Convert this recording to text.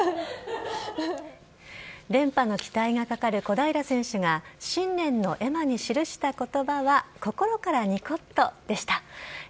連覇の期待がかかる小平選手が、新年の絵馬に記したことばは、心からにこっと！でした。